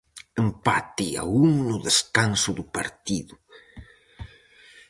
Empate a un no descanso do partido.